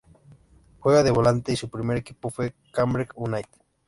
Juega de volante y su primer equipo fue Cambridge United.